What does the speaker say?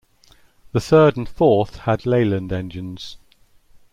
The third and fourth had Leyland engines.